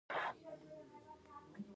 قرغیو ولسوالۍ ګرمه ده؟